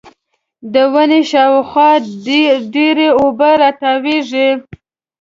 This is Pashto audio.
د ونې شاوخوا ډېرې اوبه راټولېږي.